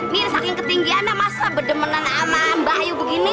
mirsak yang ketinggiannya masa berdemenan sama mbak yu begini